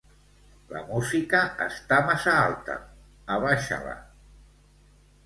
La música està massa alta, abaixa-la.